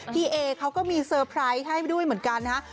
พี่เอเขาก็มีเซอร์ไพรส์ให้ด้วยเหมือนกันนะฮะ